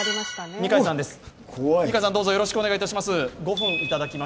二階さん、どうぞよろしくお願いいたします。